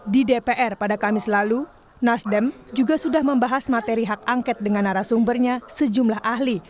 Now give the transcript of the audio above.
di dpr pada kamis lalu nasdem juga sudah membahas materi hak angket dengan arah sumbernya sejumlah ahli